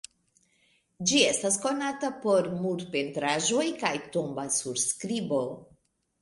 Ĝi estas konata pro murpentraĵoj kaj tomba surskribo.